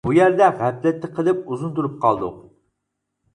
بۇ يەردە غەپلەتتە قېلىپ، ئۇزۇن تۇرۇپ قالدۇق.